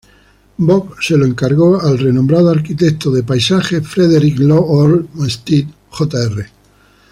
Bok le encargó al renombrado arquitecto del paisaje Frederick Law Olmsted, Jr.